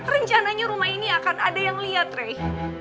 rencananya rumah ini akan ada yang liat rey